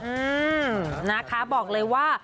อืมนะคะบอกเลยว่า